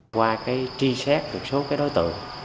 qua cái tri xét một số cái đối tượng